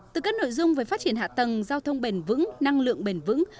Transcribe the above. từ các nội dung về phát triển hạ tầng giao thông bền vững năng lượng bền vững